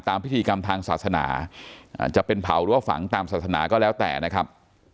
พิธีกรรมทางศาสนาจะเป็นเผาหรือว่าฝังตามศาสนาก็แล้วแต่นะครับ